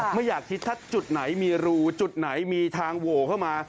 ไม่อยากคิดถ้าจุดไหนมีรูจุดไหนมีทางโหวเข้ามา